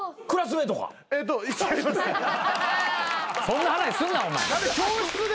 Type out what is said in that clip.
そんな話すんなお前。